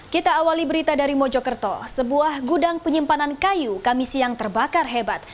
kita awali berita dari mojokerto sebuah gudang penyimpanan kayu kami siang terbakar hebat